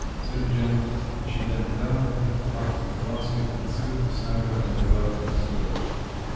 said Gemma. She bent down, picked up the basket, and set it beside her on the garden seat.